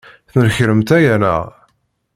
Tnekṛemt aya, naɣ?